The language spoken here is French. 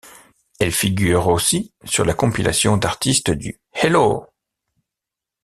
Elle figure aussi sur la compilation d'artistes du Hello!